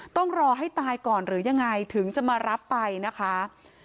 ต้องรอให้ตายก่อนหรือยังไงถึงจะมารับไปนะคะ